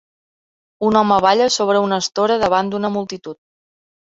Un home balla sobre una estora davant d'una multitud.